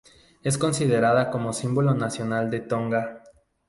Es considerada como símbolo nacional de Tonga.